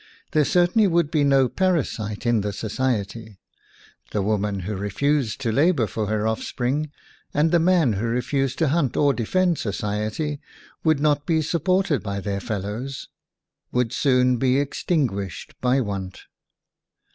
There certainly would be no parasite in the society. The woman who refused to labor for her offspring, and the man who refused to hunt or defend society would not be supported by their fel lows, would soon be extinguished by want.